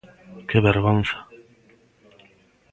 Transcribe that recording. Que vergonza.